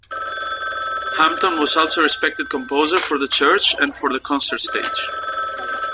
Hampton was also a respected composer for the church and for the concert stage.